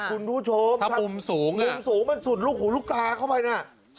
คุณผู้ชมถ้ามุมสูงมุมสูงมันสุดลูกหูลูกตาเข้าไปน่ะ